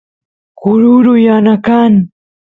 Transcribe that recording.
kururu yana kan